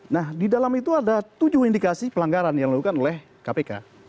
nah di dalam itu ada tujuh indikasi pelanggaran yang dilakukan oleh kpk